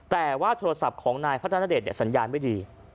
แต่ว่าโทรศัพท์ของนายพัฒนาเดชสัญญาณไม่ดี